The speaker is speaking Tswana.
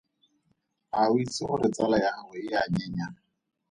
A o itse gore tsala ya gago e a nyenya?